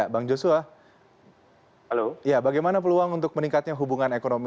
bang joshua bagaimana peluang untuk meningkatnya hubungan ekonomi